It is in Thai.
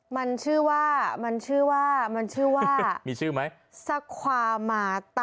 มันมันา